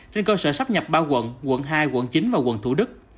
trên cơ sở sắp nhập ba quận quận hai quận chín và quận thủ đức